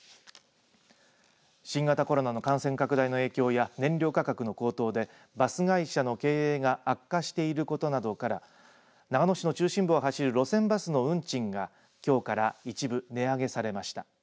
新型コロナの感染拡大の影響や燃料価格の高騰でバス会社の経営が悪化していることなどから長野市の中心部を走る路線バスの運賃が、きょうから一部値上げされました。